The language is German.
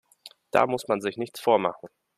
Da muss man sich nichts vormachen.